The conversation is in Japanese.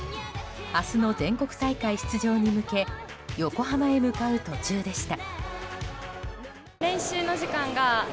明日の全国大会出場に向け横浜へ向かう途中でした。